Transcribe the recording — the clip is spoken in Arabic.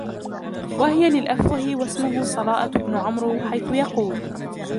وَهِيَ لِلْأَفْوَهِ وَاسْمُهُ صَلَاءَةُ بْنُ عَمْرٍو حَيْثُ يَقُولُ